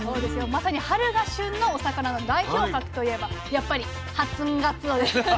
まさに春が旬のお魚の代表格と言えばやっぱり初がつおですよね。